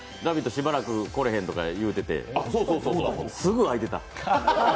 しばらく来れへんとか言うててすぐ空いてた。